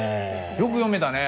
よく読めたね。